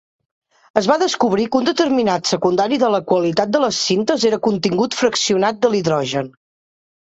Es va descobrir que un determinant secundari de la qualitat de les cintes era el contingut fraccionat de l"hidrogen.